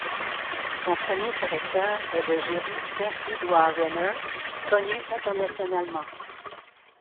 Son premier directeur est le juriste Eduard Reimer, connu internationalement.